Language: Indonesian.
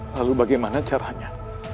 lalu bagaimana caranya